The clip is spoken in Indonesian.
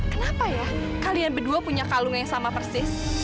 kenapa ya kalian berdua punya kalung yang sama persis